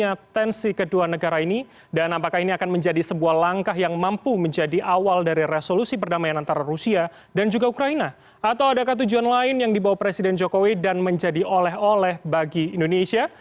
atau adakah tujuan lain yang dibawa presiden jokowi dan menjadi oleh oleh bagi indonesia